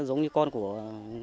giống như con của mình